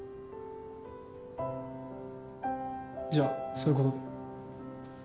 じゃあそういう事で。